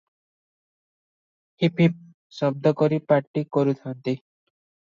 Hip hip ଶବଦ କରି ପାଟି କରୁଥାନ୍ତି ।